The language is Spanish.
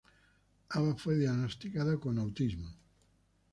Ava fue diagnosticada con autismo.